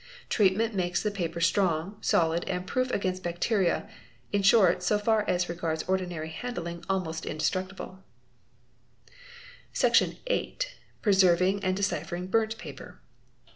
'Treatment makes the paper strong, — solid, and proof against bacteria, in short so far as regards ordinary handling almost indestructible ®®. Section viii.—Preserving and Deciphering Burnt paper.